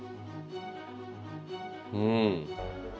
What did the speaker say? うん。